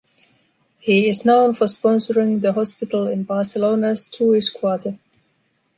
He is known for sponsoring the hospital in Barcelona’s Jewish Quarter.